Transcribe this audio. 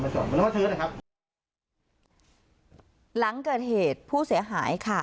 มาจอดไว้แล้วก็เชิญนะครับหลังเกิดเหตุผู้เสียหายค่ะ